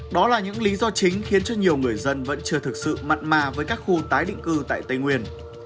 đó là những lý do chính khiến cho nhiều người dân vẫn chưa thực sự mặn mà với các khu tái định cư tại tây nguyên